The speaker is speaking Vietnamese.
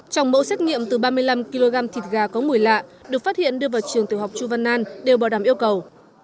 trong mẫu xét nghiệm từ ba mươi năm kg thịt gà có mùi lạ được phát hiện đưa vào trường tiểu học chu văn an đều bảo đảm yêu cầu